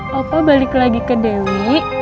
papa balik lagi ke dewi